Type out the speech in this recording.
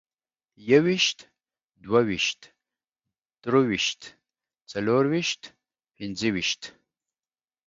يويشت، دوه ويشت، درويشت، څلرويشت، پينځويشت